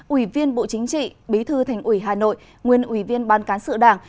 ủy viên bộ chính trị bí thư thành ủy hà nội nguyên ủy viên ban cán sự đảng